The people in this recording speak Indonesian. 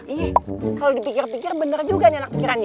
iya kalau dipikir pikir benar juga anak pikirannya